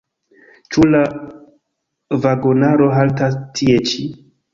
Ĉu la vagonaro haltas tie ĉi?